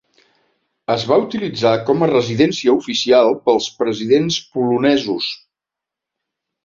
Es va utilitzar com a residència oficial pels presidents polonesos.